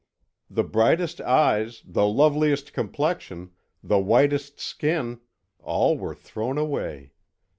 The brightest eyes, the loveliest complexion, the whitest skin all were thrown away.